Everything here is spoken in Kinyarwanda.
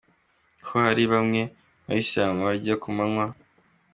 Ko hari bamwe mu Bayisilamu barya ku manywa,.